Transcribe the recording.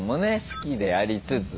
好きでありつつ。